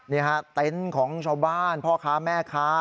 นี่ฮะเต็นต์ของชาวบ้านพ่อค้าแม่ค้า